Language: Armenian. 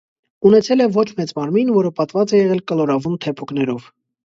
Ունեցել է ոչ մեծ մարմին, որը պատված է եղել կլորավուն թեփուկներով։